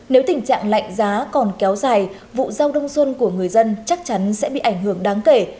nếu tình trạng lạnh giá còn kéo dài vụ rau đông xuân của người dân chắc chắn sẽ bị ảnh hưởng đáng kể